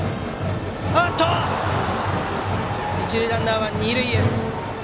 一塁ランナーは二塁へ。